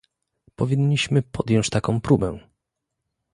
Powinniśmy podjąć taką próbę